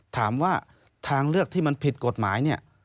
ถามว่าทางเลือกที่มันผิดกฎหมายเนี่ย